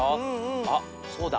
あっそうだ。